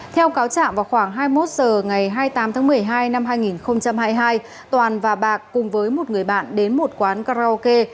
theo cáo trạng vào khoảng hai mươi một h ngày hai mươi tám tháng một mươi hai năm hai nghìn hai mươi hai toàn và bạc cùng với một người bạn đến một quán karaoke